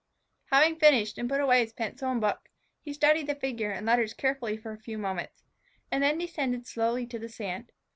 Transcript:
Having finished, and put away his pencil and book, he studied the figure and letters carefully for a few moments, and then descended slowly to the sand.